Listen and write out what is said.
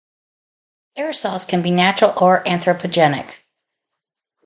Aerosols can be natural or anthropogenic.